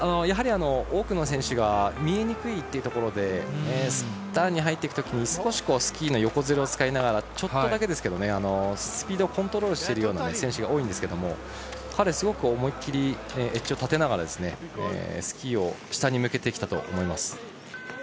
多くの選手が見えにくいというところでターンに入っていくときにスキーの横ずれを使いながらちょっとだけスピードをコントロールしている選手が多いんですけど彼はすごく思い切りエッジを立てながらスキーを下に向けてきたと思います。